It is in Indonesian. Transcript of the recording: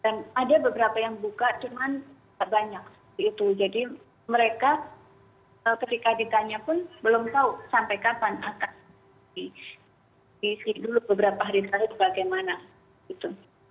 dan ada beberapa yang buka cuman banyak gitu jadi mereka ketika ditanya pun belum tahu sampai kapan akan diisi dulu beberapa hari lalu bagaimana gitu